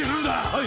はい！